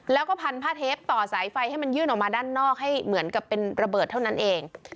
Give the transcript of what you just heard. แล้วก็พันผ้าเทปต่อสายไฟให้มันยื่นออกมาด้านนอกให้เหมือนกับเป็นระเบิดเท่านั้นเอง